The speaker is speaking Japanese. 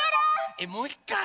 えっもういっかい？